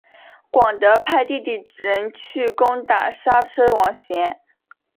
广德派弟弟仁去攻打莎车王贤。